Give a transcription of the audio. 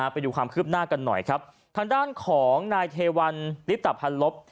ไปดูความคืบหน้ากันหน่อยครับทางด้านของนายเทวันลิตภัณลบ